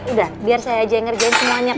udah biar saya aja yang ngerjain semuanya